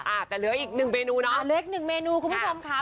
อ่าแต่เหลืออีกหนึ่งเมนูเน้า